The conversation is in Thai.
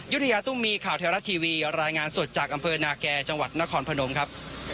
ยุธยาตุ้มมีข่าวไทยรัฐทีวีรายงานสดจากอำเภอนาแก่จังหวัดนครพนมครับ